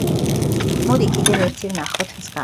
მოდი, კიდევ ერთი ვნახოთ, მსგავსი.